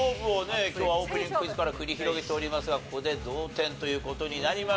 今日はオープニングクイズから繰り広げておりますがここで同点という事になりました。